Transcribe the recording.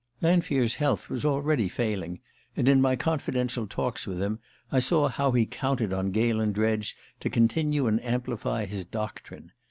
Lanfear's health was already failing, and in my confidential talks with him I saw how he counted on Galen Dredge to continue and amplify his doctrine.